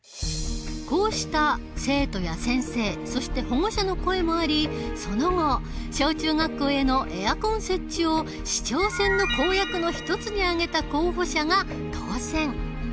こうした生徒や先生そして保護者の声もありその後小中学校へのエアコン設置を市長選の公約の一つに挙げた候補者が当選。